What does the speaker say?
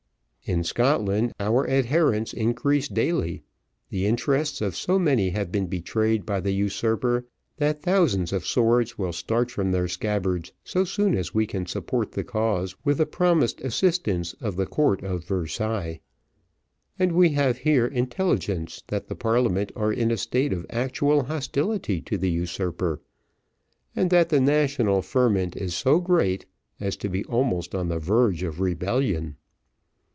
"In Scotland, our adherents increase daily; the interests of so many have been betrayed by the usurper, that thousands of swords will start from their scabbards so soon as we can support the cause with the promised assistance of the court of Versailles: and we have here intelligence that the parliament are in a state of actual hostility to the usurper, and that the national ferment is so great as to be almost on the verge of rebellion.